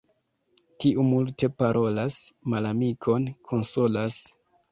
Kiu multe parolas, malamikon konsolas.